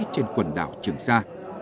trên quần đảo trường sa